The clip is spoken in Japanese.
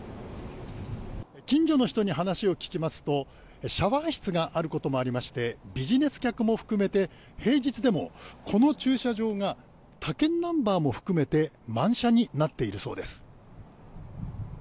近所の人に話を聞きますとシャワー室があることもありましてビジネス客も含めて平日でも、この駐車場が他県ナンバーも含めて満車になっているそうです。